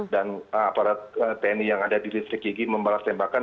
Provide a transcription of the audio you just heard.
dan aparat tni yang ada di listrik yigi membalas tembakan